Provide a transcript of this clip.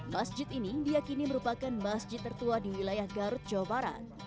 masjid ini diakini merupakan masjid tertua di wilayah garut jawa barat